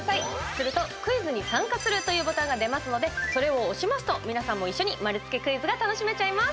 すると「クイズに参加する」というボタンが出ますのでそれを押しますと皆さんも一緒に丸つけクイズが楽しめちゃいます。